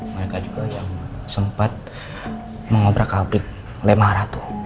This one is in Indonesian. mereka juga yang sempat mengobrak aplik lemah ratu